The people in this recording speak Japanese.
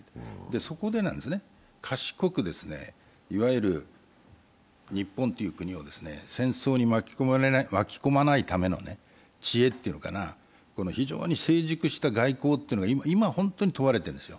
そこで賢く、日本という国を戦争に巻き込まないための知恵というのか非常に成熟した外交というのが今、本当に問われているんですよ。